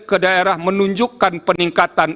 ke daerah menunjukkan peningkatan